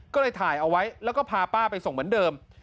ก็เลยถ่ายเอาไว้แล้วก็พาป้าไปส่งเหมือนเดิม